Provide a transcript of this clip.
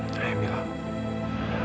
sekarang kita pulang ya